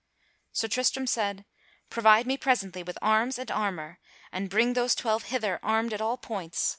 Sir Tristram said: "Provide me presently with arms and armor and bring those twelve hither armed at all points.